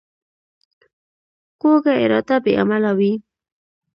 کوږه اراده بې عمله وي